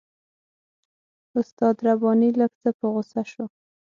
استاد رباني لږ څه په غوسه شو.